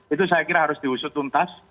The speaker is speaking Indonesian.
itu saya kira harus diusut tuntas